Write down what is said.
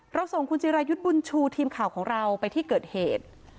ส่งคุณจิรายุทธ์บุญชูทีมข่าวของเราไปที่เกิดเหตุ